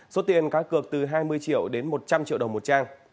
số tiền cá cược từ hai mươi triệu đến một trăm linh triệu đồng một trang